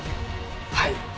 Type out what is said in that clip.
はい。